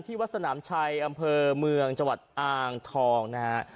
วัดสนามชัยอำเภอเมืองจังหวัดอ่างทองนะฮะ